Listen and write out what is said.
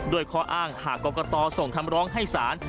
ข้ออ้างหากกรกตส่งคำร้องให้ศาล